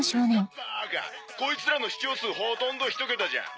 こいつらの視聴数ほとんどひと桁じゃん。